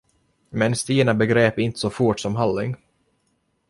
Men Stina begrep inte så fort som Halling.